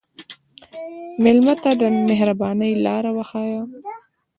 مېلمه ته د مهربانۍ لاره وښیه.